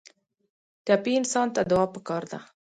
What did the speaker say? ټپي انسان ته دعا پکار ده.